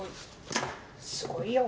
すごいよ。